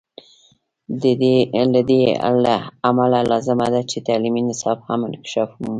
له دې امله لازمه ده چې تعلیمي نصاب هم انکشاف ومومي.